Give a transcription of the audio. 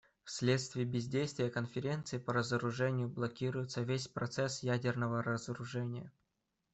Вследствие бездействия Конференции по разоружению блокируется весь процесс ядерного разоружения.